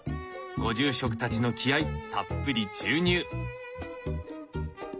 ご住職たちの気合いたっぷり注入！